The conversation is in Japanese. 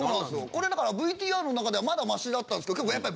これだからＶＴＲの中ではまだマシだったんですけど結構やっぱ。